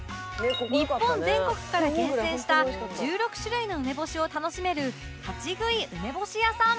日本全国から厳選した１６種類の梅干しを楽しめる立ち喰い梅干し屋さん